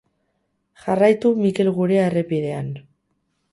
Jarraitu Mikel Gurea errepidean.